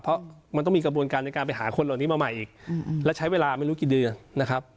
เพราะมันต้องมีกระบวนการในการไปหาคนเหล่านี้มาใหม่อีกและใช้เวลาไม่รู้กี่เดือนนะครับ